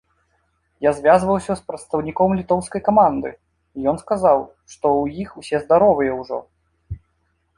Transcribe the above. Я звязваўся з прадстаўніком літоўскай каманды, ён сказаў, што ў іх усе здаровыя ўжо.